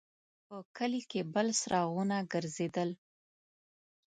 په کلي کې بل څراغونه ګرځېدل.